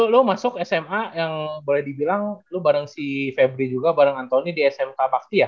lu masuk sma yang boleh dibilang lu bareng si febri juga bareng anthony di sma bakti ya